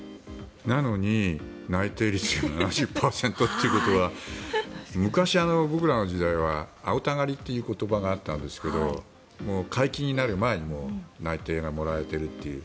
なのに、内定率が７０％ということは昔、僕らの時代は青田刈りっていう言葉があったんですが解禁になる前に内定がもらえているっていう。